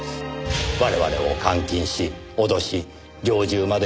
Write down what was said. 我々を監禁し脅し猟銃まで撃ち。